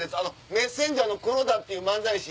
メッセンジャーの黒田っていう漫才師。